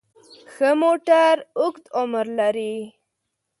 ښه موټر اوږد عمر لري.